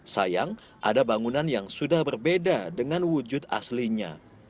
sayang ada bangunan yang sudah berbeda dengan wujud aslinya